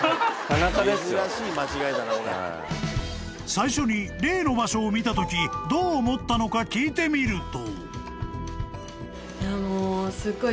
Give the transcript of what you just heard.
［最初に例の場所を見たときどう思ったのか聞いてみると］